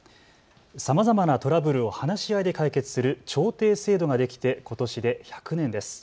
さまざまなトラブルを話し合いで解決する調停制度ができてことしで１００年です。